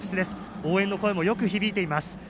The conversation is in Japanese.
応援の声もよく響いています。